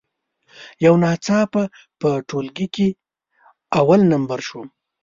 یو ناڅاپه په ټولګي کې اول نمره شوم.